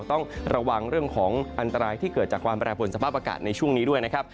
ต้องระวังเรื่องของอันตรายที่เกิดจากความแปรผลสภาพอากาศในช่วงนี้ด้วยนะครับ